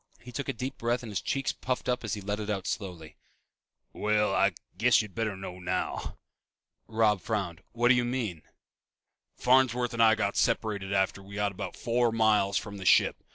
He took a deep breath and his cheeks puffed up as he let it out slowly. "Well, I guess you'd better know now." Robb frowned. "What do you mean?" "Farnsworth and I separated after we got about four miles from the ship.